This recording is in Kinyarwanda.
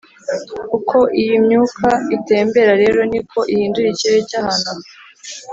uko iyo myuka itembera rero ni ko ihindura ikirere cy'ahantu aha